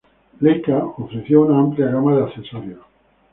Leica ofreció una amplia gama de accesorios.